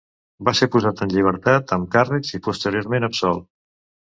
Va ser posat en llibertat amb càrrecs, i posteriorment absolt.